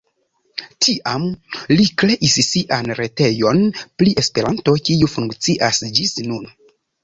Tiam li kreis sian retejon pri Esperanto, kiu funkcias ĝis nun.